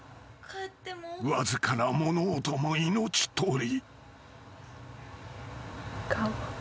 ［わずかな物音も命取り］